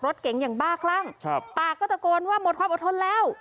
รถเก๋งอย่างบ้าคลั่งปากก็ตะโกนว่าหมดความอดทนแล้ว